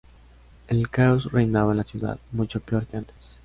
El caos reinaba en la ciudad, mucho peor que antes.